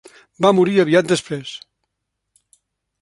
Va morir aviat després.